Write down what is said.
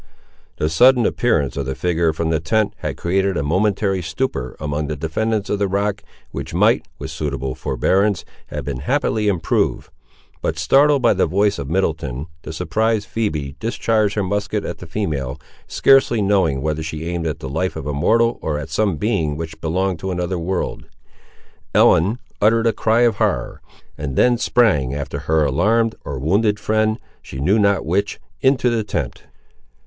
The sudden appearance of the figure from the tent had created a momentary stupor among the defendants of the rock, which might, with suitable forbearance, have been happily improved; but startled by the voice of Middleton, the surprised Phoebe discharged her musket at the female, scarcely knowing whether she aimed at the life of a mortal or at some being which belonged to another world. Ellen uttered a cry of horror, and then sprang after her alarmed or wounded friend, she knew not which, into the tent.